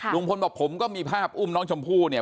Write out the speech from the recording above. ลุงพลบอกผมก็มีภาพอุ้มน้องชมพู่เนี่ย